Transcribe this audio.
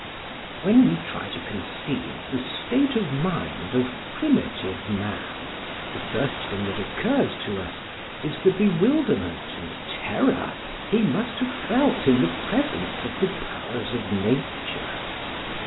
When we try to conceive the state of mind of primitive man the first thing that occurs to us is the bewilderment and terror he must have felt in the presence of the powers of nature.